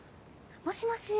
もしもし。